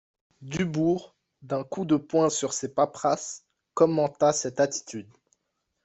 Dubourg, d'un coup de poing sur ses paperasses, commenta cette attitude.